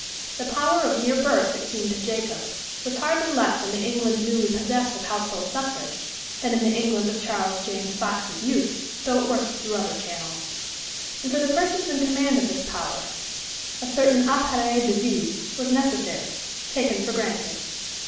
The power of mere birth, it seemed to Jacob, was hardly less in the England newly possessed of household suffrage than in the England of Charles James Fox's youth, though it worked through other channels. And for the persons in command of this power, a certain appareil de vie was necessary, taken for granted.